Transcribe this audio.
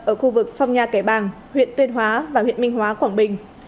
ở khu vực phong nha kẻ bàng huyện tuyên hóa và huyện minh hóa quảng bình